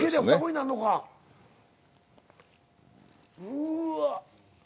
うわ。